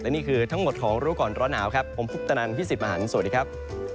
นี่คือทั้งหมดของรู้ก่อนร้อนหนาวครับผมพุทธนันพี่สิทธิ์มหันฯสวัสดีครับ